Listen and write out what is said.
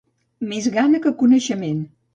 Més gana que coneixement.